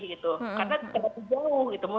karena terlalu jauh